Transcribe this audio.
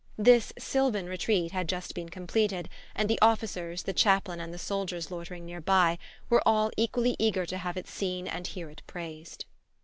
This sylvan retreat had just been completed, and the officers, the chaplain, and the soldiers loitering near by, were all equally eager to have it seen and hear it praised.